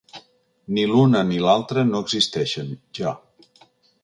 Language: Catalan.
Ni l’una ni l’altre no existeixen, ja.